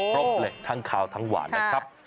ครบเลยทั้งขาวทั้งหวานนะครับ